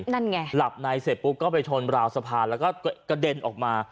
นั่นไงหลับในเสร็จปุ๊บก็ไปชนราวสะพานแล้วก็กระเด็นออกมา